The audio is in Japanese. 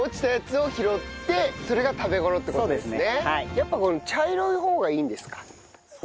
やっぱこの茶色い方がいいんですか？